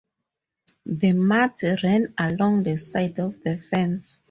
The mutt ran along the inside of the fence.